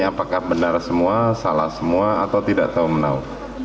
apakah benar semua salah semua atau tidak tahu menau